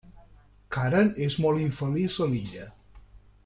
Karen és molt infeliç a l'illa.